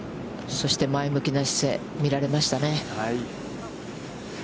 そして前向きな姿勢、見られましたね。